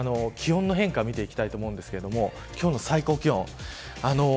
気温の変化を見ていきたいと思いますけど今日の最高気温。